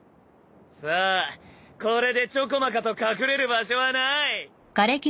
さあこれでちょこまかと隠れる場所はない。